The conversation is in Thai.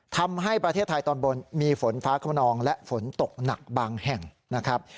ทำให้ประเทศไทยตอนบนมีฝนฟ้าขนองและฝนตกหนักบางแห่งนะครับ